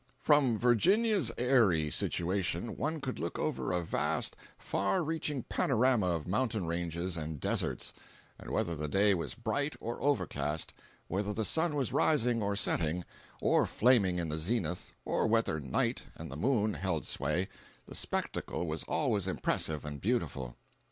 304.jpg (102K) From Virginia's airy situation one could look over a vast, far reaching panorama of mountain ranges and deserts; and whether the day was bright or overcast, whether the sun was rising or setting, or flaming in the zenith, or whether night and the moon held sway, the spectacle was always impressive and beautiful.